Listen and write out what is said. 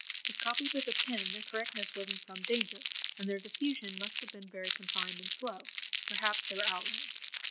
If copied with a pen, their correctness was in some danger, and their diffusion must have been very confined and slow; perhaps they were outlines.